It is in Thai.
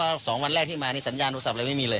เพราะสองวันแรกที่มานี่สัญญาณโทรศัพท์เลยไม่มีเลย